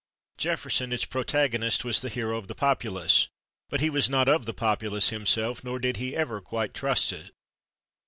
Jefferson, its protagonist, was the hero of the populace, but he was not of the populace himself, nor did he ever quite trust it.